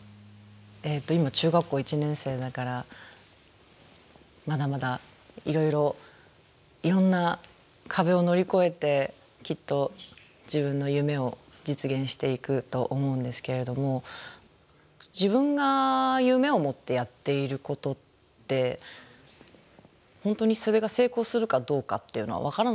えっと今中学校１年生だからまだまだいろいろいろんな壁を乗り越えてきっと自分の夢を実現していくと思うんですけれども自分が夢を持ってやっていることって本当にそれが成功するかどうかっていうのは分からないじゃないですか。